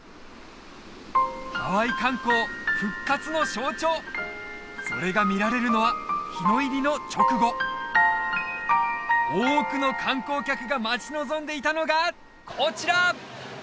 ハワイ観光復活の象徴それが見られるのは日の入りの直後多くの観光客が待ち望んでいたのがこちら！